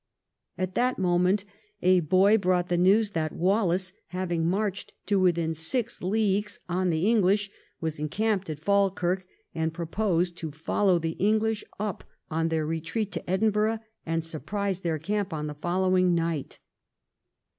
At that 206 EDWARD I chap. moment a boy larought the news that Wallace, having marched to within six leagues on the English, was en camped at Falkirk, and proposed to follow the English up on their retreat to Edinburgh and to surprise their camp on the following night.